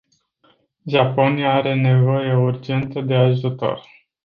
Japonia are nevoie urgentă de ajutor.